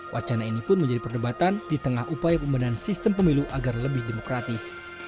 wacana ini pun menjadi perdebatan di tengah upaya pembedahan sistem pemilu agar lebih demokratis